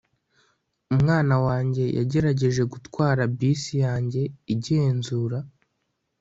Umwana wanjye yagerageje gutwara bisi yanjye igenzura